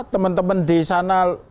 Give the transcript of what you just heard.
temen temen di sana